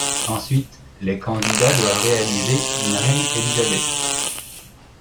Ensuite, les candidats doivent réaliser une Reine-Elisabeth.